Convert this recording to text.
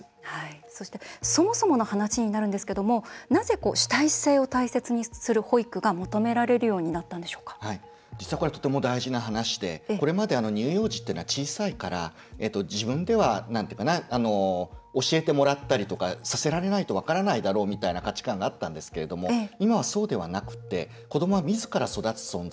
そして、そもそもの話になるんですけどもなぜ主体性を大切にする保育が求められるように実はこれとても大事な話でこれまで乳幼児というのは小さいから自分では教えてもらったりとかさせられないと分からないだろうみたいな価値観があったんですけれども今はそうではなくて子どもは、みずから育つ存在。